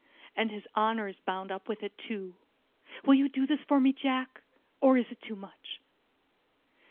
And his honour is bound up with it, too. Will you do this for me, Jack? Or is it too much?"